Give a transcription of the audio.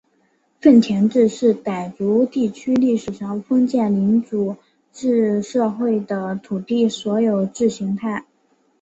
份田制是傣族地区历史上封建领主制社会的土地所有制形态。